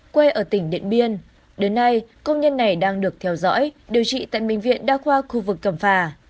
quê ở tỉnh điện biên đến nay công nhân này đang được theo dõi điều trị tại bệnh viện đa khoa khu vực cẩm phà